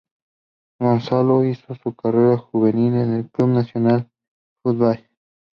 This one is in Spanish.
Gonzalo hizo su carrera juvenil en Club Nacional de Football.